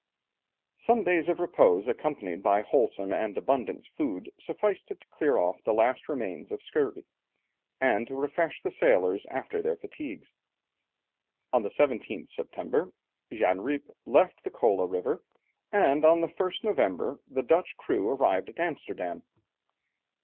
Some days of repose accompanied by wholesome and abundant food sufficed to clear off the last remains of scurvy, and to refresh the sailors after their fatigues. On the 17th September, Jan Rijp left the Kola River, and on the 1st November the Dutch crew arrived at Amsterdam.